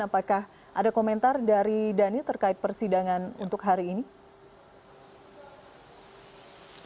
apakah ada komentar dari dhani terkait persidangan untuk hari ini